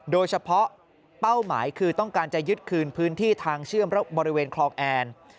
เป้าหมายคือต้องการจะยึดคืนพื้นที่ทางเชื่อมบริเวณคลองแอน